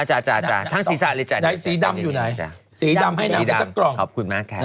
จ้ะทั้งสีสาหรี่จ่ายทั้งสีดำอยู่ไหนสีดำให้หนังไปสักกล่องขอบคุณมากค่ะ